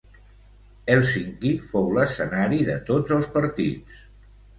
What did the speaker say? Hèlsinki fou l'escenari de tots els partits.